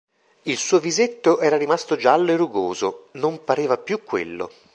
Il suo visetto era rimasto giallo e rugoso; non pareva più quello.